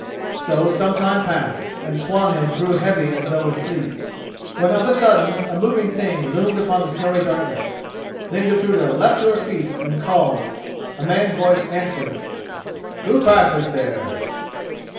So some time passed, and Swanhild grew heavy as though with sleep, when of a sudden a moving thing loomed upon the snowy darkness. Then Gudruda leapt to her feet and called. A man's voice answered: "Who passes there?"